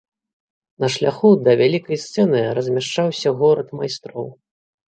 На шляху да вялікай сцэны размяшчаўся горад майстроў.